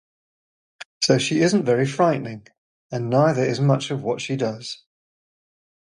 So she isn't very frightening, and neither is much of what she does.